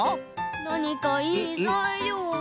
なにかいいざいりょうは。